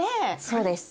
そうです。